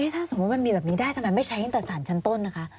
ถ้าสมมุติมันมีแบบนี้ได้ทำไมไม่ใช้ตั้งแต่สารชั้นต้นนะคะ